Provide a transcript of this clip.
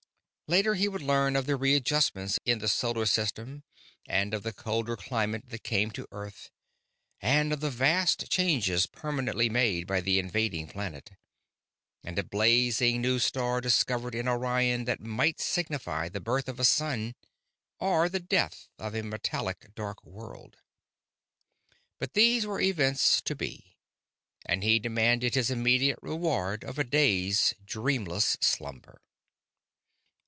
Later he would learn of the readjustments in the solar system, and of the colder climate that came to Earth, and of the vast changes permanently made by the invading planet, and of a blazing new star discovered in Orion that might signify the birth of a sun or the death of a metallic dark world. But these were events to be, and he demanded his immediate reward of a day's dreamless slumber.